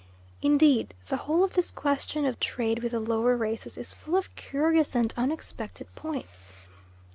Indeed the whole of this question of trade with the lower races is full of curious and unexpected points.